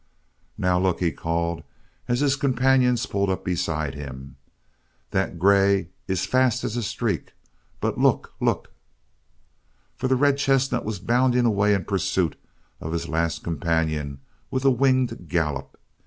"Now, look!" he called, as his companions pulled up beside him. "That grey is fast as a streak but look! look!" For the red chestnut was bounding away in pursuit of his last companion with a winged gallop.